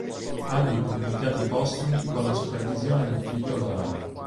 Albi pubblicati postumi con la supervisione del figlio Laurent